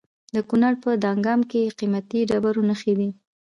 د کونړ په دانګام کې د قیمتي ډبرو نښې دي.